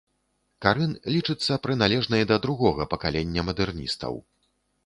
Карын лічыцца прыналежнай да другога пакалення мадэрністаў.